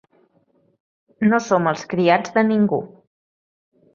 No som els criats de ningú